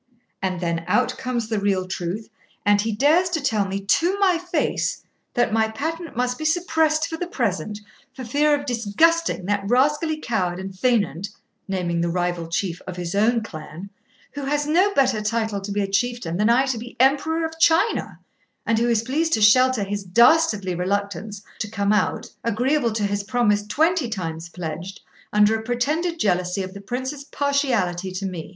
And then out comes the real truth; and he dares to tell me to my face that my patent must be suppressed for the present, for fear of disgusting that rascally coward and faineant (naming the rival chief of his own clan), who has no better title to be a chieftain than I to be Emperor of China, and who is pleased to shelter his dastardly reluctance to come out, agreeable to his promise twenty times pledged, under a pretended jealousy of the Prince's partiality to me.